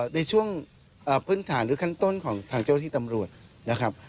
ในช่วงพื้นฐานหรือขั้นต้นของทางเจ้าที่ตำรวจนะครับ